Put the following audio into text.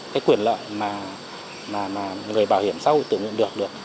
cái quyền lợi mà người bảo hiểm xã hội tự nguyện được được